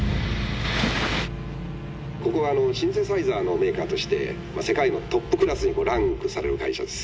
「ここはあのシンセサイザーのメーカーとして世界のトップクラスにランクされる会社です。